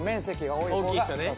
大きい人ね。